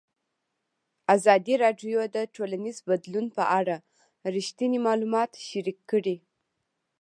ازادي راډیو د ټولنیز بدلون په اړه رښتیني معلومات شریک کړي.